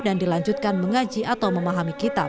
dan dilanjutkan mengaji atau memahami kitab